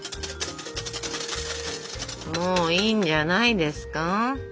もういいんじゃないですか？